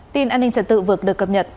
tin an ninh trật tự vượt được cập nhật